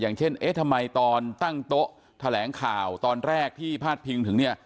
อย่างเช่นเอ๊ะทำไมตอนตั้งโต๊ะแถลงข่าวตอนแรกที่พาดพิงถึงเนี่ย